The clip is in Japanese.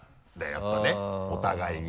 やっぱねお互いに。